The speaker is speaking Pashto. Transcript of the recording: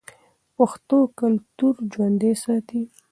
پښتو کلتور ژوندی ساتي.